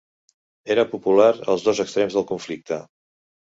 Era popular als dos extrems del conflicte.